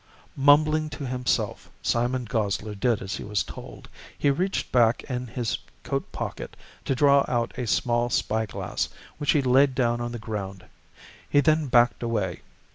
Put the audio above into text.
Mumbling to himself, Simon Gosler did as he was told. He reached back in his coat pocket to draw out a small spyglass, which he laid down on the ground. He then backed away.